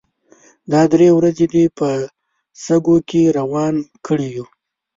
دا درې ورځې دې په شګو کې روان کړي يو.